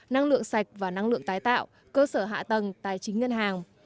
năng lượng sạch và năng lượng tái tạo cơ sở hạ tầng tài chính ngân hàng